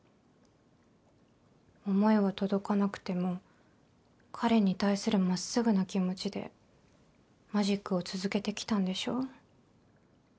思いは届かなくても彼に対する真っすぐな気持ちでマジックを続けてきたんでしょ。